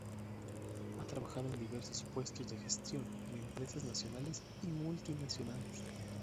Ha trabajado en diversos puestos de gestión en empresas nacionales y multinacionales.